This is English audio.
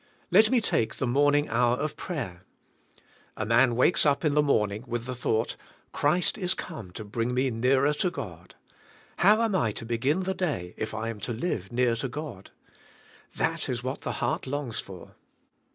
Let me take the morning hour of prayer. A man wakes up in the morning with the thought, Christ is come to bring me nearer to God. How am I to begin the day if I am to live near to God? That is what the heart longs for.